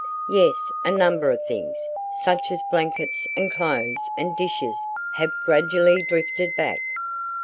"Yes, a number of things, such as blankets and clothes and dishes have gradually drifted back."